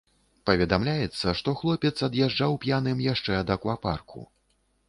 Паведамляецца, што хлопец ад'язджаў п'яным яшчэ ад аквапарку.